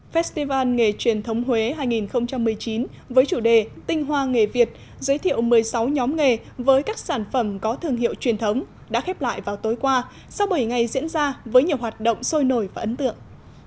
festival nghề truyền thống huế hai nghìn một mươi chín với chủ đề tinh hoa nghề việt giới thiệu một mươi sáu nhóm nghề với các sản phẩm có thương hiệu truyền thống đã khép lại vào tối qua sau bảy ngày diễn ra với nhiều hoạt động sôi nổi và ấn tượng